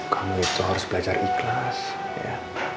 kamu itu harus belajar ikhlas ya